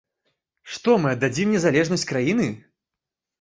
Што мы аддадзім незалежнасць краіны?